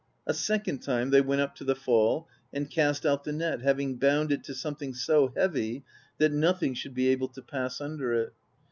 A second time they went up to the fall and cast out the net, having bound it to something so heavy that nothing should be able to pass under it.